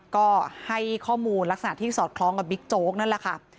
ก็ให้ข้อมูลลักษณะที่สอดคล้องกับบิ๊กโจ๊กนั่นแหละค่ะ